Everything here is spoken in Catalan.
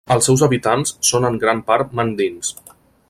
Els seus habitants són en gran part mandings.